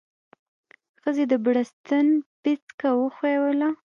ښځې د بړستن پيڅکه وښويوله.